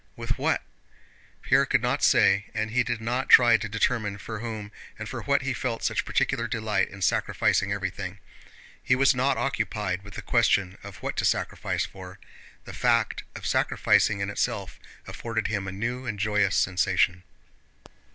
With what? Pierre could not say, and he did not try to determine for whom and for what he felt such particular delight in sacrificing everything. He was not occupied with the question of what to sacrifice for; the fact of sacrificing in itself afforded him a new and joyous sensation.